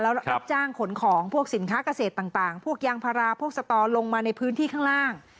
แล้วรับจ้างขนของพวกสินค้าเกษตรต่างพวกยางพาราพวกสตอลงมาในพื้นที่ข้างล่าง